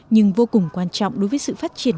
nhưng vô cùng quan trọng đối với sự phát triển